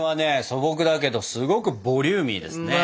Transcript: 素朴だけどすごくボリューミーですね。